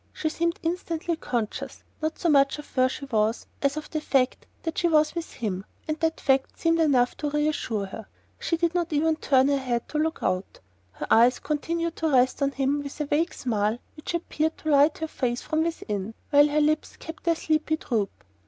She seemed instantly conscious, not so much of where she was, as of the fact that she was with him; and that fact seemed enough to reassure her. She did not even turn her head to look out; her eyes continued to rest on him with a vague smile which appeared to light her face from within, while her lips kept their sleepy droop.